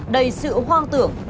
đầy sự hoang tưởng